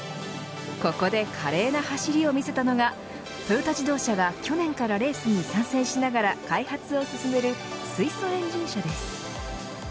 ここで華麗な走りを見せたのがトヨタ自動車が去年からレースに参戦しながら開発を進める水素エンジン車です。